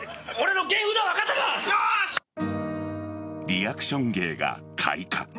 リアクション芸が開花。